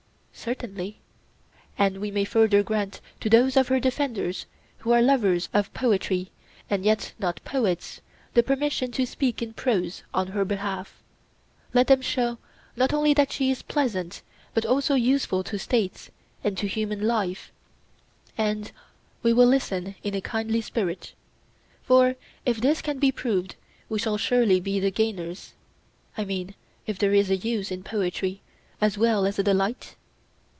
Certainly. And we may further grant to those of her defenders who are lovers of poetry and yet not poets the permission to speak in prose on her behalf: let them show not only that she is pleasant but also useful to States and to human life, and we will listen in a kindly spirit; for if this can be proved we shall surely be the gainers—I mean, if there is a use in poetry as well as a delight?